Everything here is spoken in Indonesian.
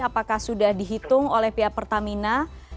apakah sudah dihitung oleh pihak pertamina